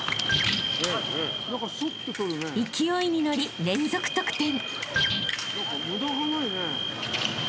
［勢いに乗り連続得点］